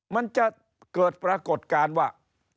มันจะเกิดปรากฏการณ์ว่า